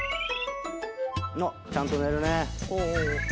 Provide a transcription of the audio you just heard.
ちゃんと寝るね。